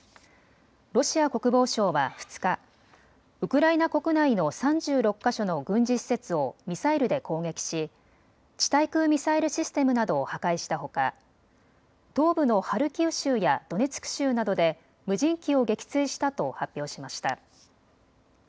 ロシア国防省は２日、ウクライナ国内の３６か所の軍事施設をミサイルで攻撃し、地対空ミサイルシステムなどを破壊したほか東部のハルキウ州やドネツク州などで無人機を撃墜したと発表しました。